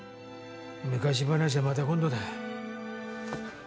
昔話はまた今度だ。